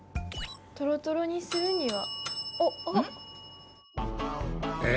トロトロにするには。え？